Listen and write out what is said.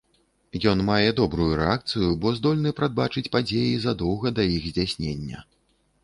Ён мае добрую рэакцыю, бо здольны прадбачыць падзеі задоўга да іх здзяйснення.